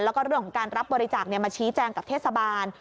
แล้วก็เรื่องของการรับบริจาคมาชี้แจงกับเทศบาล